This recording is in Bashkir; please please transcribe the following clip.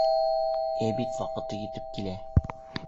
Әбид ваҡыты етеп килә!